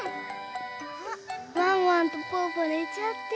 あっワンワンとぽぅぽねちゃってる。